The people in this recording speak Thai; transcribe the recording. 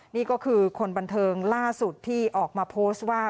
นี่ก็คือคนบันเทิงล่าสุดที่ออกมาโพสต์ว่า